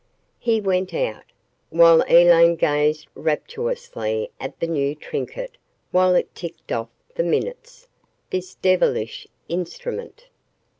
He went out, while Elaine gazed rapturously at the new trinket while it ticked off the minutes this devilish instrument.